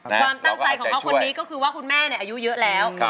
ความตั้งใจของเขาคนนี้ก็คือว่าคุณแม่อายุเยอะแล้ว